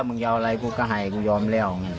มึงจะเอาอะไรกูก็ให้กูยอมแล้ว